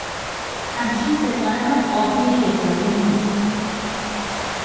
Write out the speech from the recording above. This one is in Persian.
همچین ستاره هم آهوی یه ساله نیس